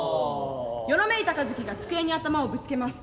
よろめいた和翔が机に頭をぶつけます。